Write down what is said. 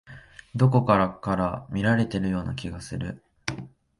どこかから見られているような気がする。